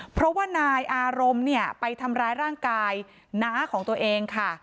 เพราะว่านายอารมณ์เนี่ยไปทำร้ายร่างกายน้าของตัวเองค่ะ